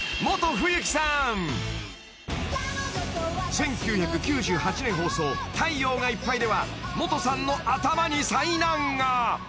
［１９９８年放送『太陽がいっぱい』ではモトさんの頭に災難が］